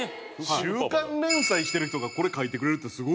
週刊連載してる人がこれ描いてくれるってすごいよ。